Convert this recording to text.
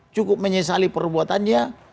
cukup menyesali perbuatannya